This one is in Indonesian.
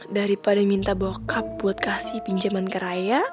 daripada minta bokap buat kasih pinjaman ke raya